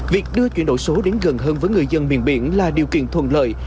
việc đưa chuyển đổi số đến gần hơn với người dân miền biển là điều kiện thuận lợi